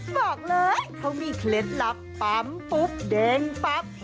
บอกเลยเขามีเคล็ดลับปั๊มปุ๊บเด้งปั๊บ